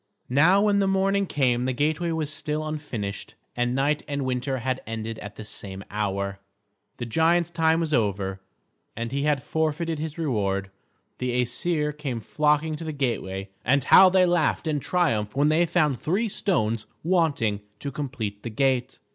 Now when the morning came the gateway was still unfinished, and night and winter had ended at the same hour. The giant's time was over, and he had forfeited his reward. The Æsir came flocking to the gateway, and how they laughed and triumphed when they found three stones wanting to complete the gate!